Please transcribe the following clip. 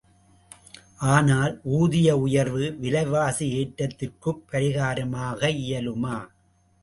ஆனால் ஊதிய உயர்வு, விலைவாசி ஏற்றத்திற்குப் பரிகாரமாக இயலுமா?